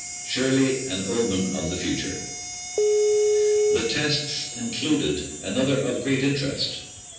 Surely an omen of the future! The tests included another of great interest.